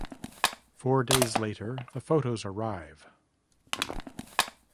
Four days later, the photos arrive.